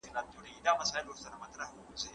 ځکه ژاړي غلي غلي